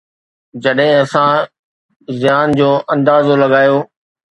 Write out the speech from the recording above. جڏهن اسان زيان جو اندازو لڳايو.